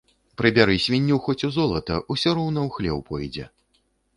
Прыбяры свінню хоць у золата ‒ усё роўна ў хлеў пойдзе